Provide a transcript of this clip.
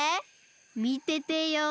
みててよ。